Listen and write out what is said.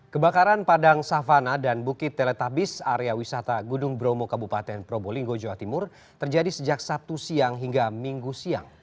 kebakaran padang savana dan bukit teletabis area wisata gunung bromo kabupaten probolinggo jawa timur terjadi sejak sabtu siang hingga minggu siang